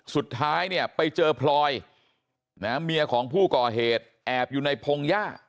สุดท้ายเนี่ยไปเจอพลอยเมียของผู้ก่อเหตุแอบอยู่ในพงหญ้า